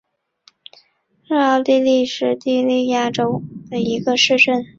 施泰纳赫是奥地利施蒂利亚州利岑县的一个市镇。